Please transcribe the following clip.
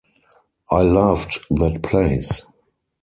I loved that place.